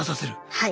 はい。